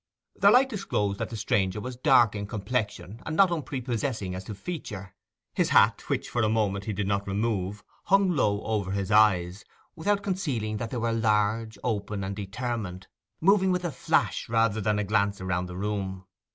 Their light disclosed that the stranger was dark in complexion and not unprepossessing as to feature. His hat, which for a moment he did not remove, hung low over his eyes, without concealing that they were large, open, and determined, moving with a flash rather than a glance round the room.